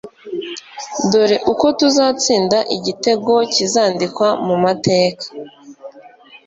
Dore uko tuzatsinda igitego kizandikwa mu mateka .